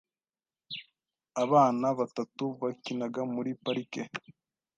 Abana batatu bakinaga muri parike .